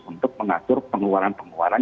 untuk mengatur pengeluaran pengeluaran